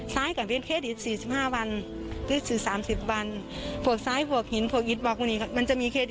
ซ้ายค่ะมีเครดิต๔๕บันเล่นส่วน๓๐บัน